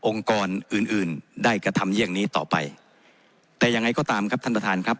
ก่อนอื่นอื่นได้กระทำเยี่ยงนี้ต่อไปแต่ยังไงก็ตามครับท่านประธานครับ